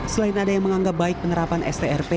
selain ada yang menganggap baik penerapan strp